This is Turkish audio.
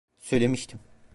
Söylemiştim.